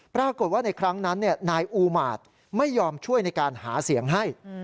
ปรากฏว่าในครั้งนั้นนายอูมาตรไม่ยอมช่วยในการหาเสียงให้